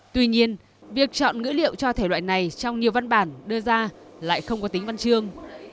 tuy nhiên việc chọn ngữ liệu cho thể loại này trong nhiều văn bản đưa ra lại không có tính văn chương